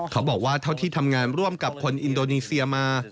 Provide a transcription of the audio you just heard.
เขาบอกว่าเท่าที่ทำงานร่วมกับคนอินโดนีเซียมา